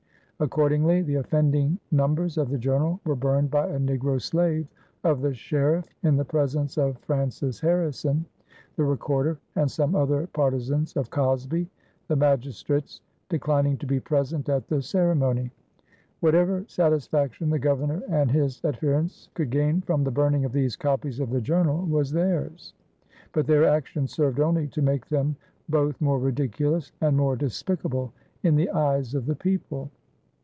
Accordingly the offending numbers of the Journal were burned by a negro slave of the sheriff in the presence of Francis Harrison, the recorder, and some other partizans of Cosby, the magistrates declining to be present at the ceremony. Whatever satisfaction the Governor and his adherents could gain from the burning of these copies of the Journal was theirs; but their action served only to make them both more ridiculous and more despicable in the eyes of the people.